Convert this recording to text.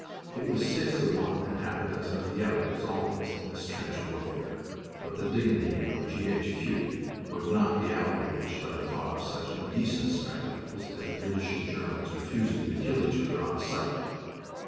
It was six of one and half a dozen of the other, as always, in this trench warfare, but the dignity of G. H. Q. would not be outraged by the thought of such indecent spectacles as British and Germans refusing to kill each other on sight.